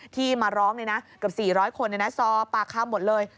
ที่มาร้องนี่นะกว่า๔๐๐คนซอปปลาข้าวหมดเลย